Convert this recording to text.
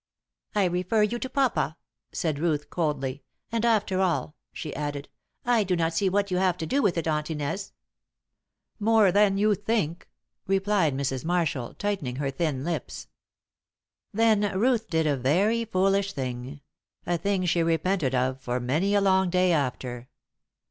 "I refer you to papa," said Ruth, coldly. "And, after all," she added, "I do not see what you have to do with it, Aunt Inez." "More than you think," replied Mrs. Marshall, tightening her thin lips. Then Ruth did a very foolish thing a thing she repented of for many a long day after.